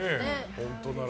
本当なら。